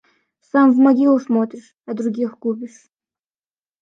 Сам в могилу смотришь, а других губишь.